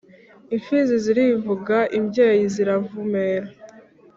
imfizi zirivuga imbyeyi ziravumera